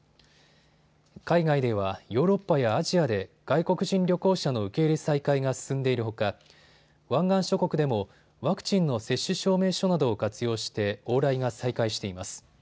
海外ではヨーロッパやアジアで外国人旅行者の受け入れ再開が進んでいるほか湾岸諸国でもワクチンの接種証明書などを活用して往来が再開しています。